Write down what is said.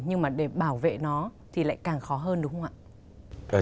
nhưng mà để bảo vệ nó thì lại càng khó hơn đúng không ạ